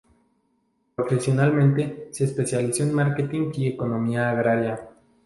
Profesionalmente, se especializó en marketing y economía agraria.